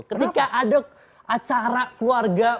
ketika ada acara keluarga